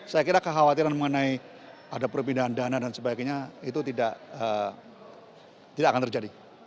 saya kira kekhawatiran mengenai ada perpindahan dana dan sebagainya itu tidak akan terjadi